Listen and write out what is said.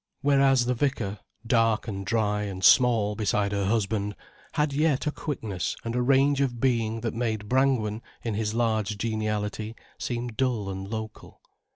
Whereas the vicar, dark and dry and small beside her husband, had yet a quickness and a range of being that made Brangwen, in his large geniality, seem dull and local.